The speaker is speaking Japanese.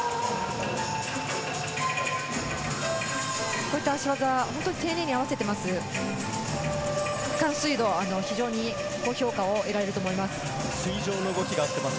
こういった脚技、本当に丁寧に合わせています。